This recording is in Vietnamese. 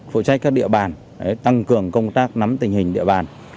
phụ trách các địa bàn tăng cường công tác nắm tình hình địa bàn